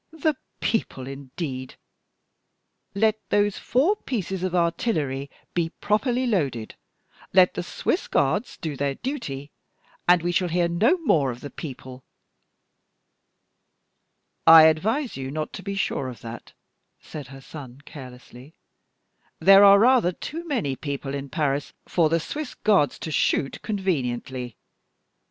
"The People, indeed! Let those four pieces of artillery be properly loaded, let the Swiss Guards do their duty, and we shall hear no more of the People!" "I advise you not to be sure of that," said her son, carelessly; "there are rather too many people in Paris for the Swiss Guards to shoot conveniently.